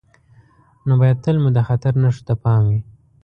نو باید تل مو د خطر نښو ته پام وي.